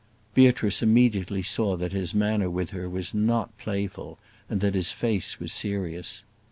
Beatrice immediately saw that his manner with her was not playful, and that his face was serious.